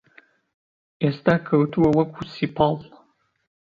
ئێستا کەوتووە وەک سیپاڵ